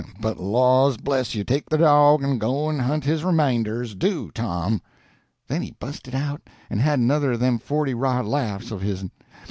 But, laws bless you, take the dog, and go and hunt his remainders. Do, Tom." Then he busted out, and had another of them forty rod laughs of hisn.